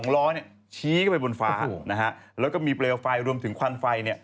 ๒ล้อชี้ไปบนฝาและมีเปรียวไฟรวมถึงควันไฟ